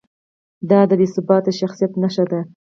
دا د بې ثباته شخصیت نښه ده.